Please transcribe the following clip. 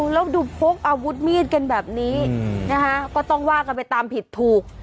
แล้วดูพกอาวุธมีดกันแบบนี้นะคะก็ต้องว่ากันไปตามผิดถูก